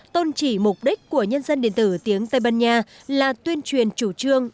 tôn trì mục đích của nhân dân điện tử tiếng tây ban nha là tuyên truyền chủ trương